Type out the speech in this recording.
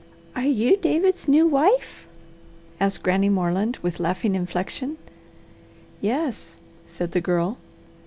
"Are you David's new wife?" asked Granny Moreland with laughing inflection. "Yes," said the Girl.